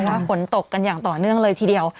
เพราะว่าผลตกกันอย่างต่อเนื่องเลยทีเดียว